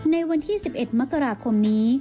ในวันที่๑๑มกราคมนี้